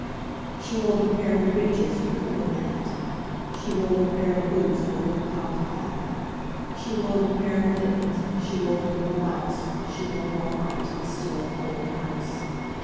She wove a pair of breeches Quicker than that! She wove a pair of boots And a little cocked hat. She wove a pair of mittens, She wove a little blouse, She wove all night In the still, cold house.